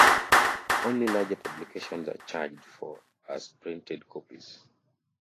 Only larger publications are charged for as printed copies.